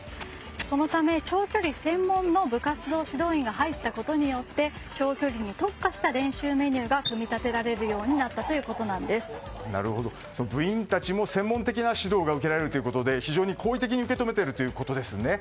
そのため、長距離専門の部活動指導員が入ったことによって長距離に特化した練習メニューが組み立てられるように部員たちも専門的な指導が受けられるということで非常に好意的に受け止めているということですね。